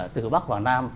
từ bắc vào nam